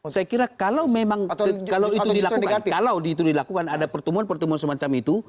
saya kira kalau memang kalau itu dilakukan ada pertemuan pertemuan semacam itu